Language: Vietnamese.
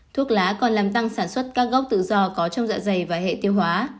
thuốc lá còn làm tăng sản xuất các gốc tự do có trong dạ dày và hệ tiêu hóa